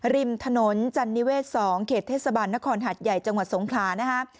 ริมถนนจันนิเวศ๒เขตเทศบาลนครหัดใหญ่จังหวัดสงขลานะฮะ